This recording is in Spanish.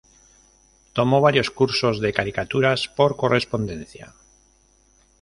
Tomó varios cursos de caricaturas por correspondencia.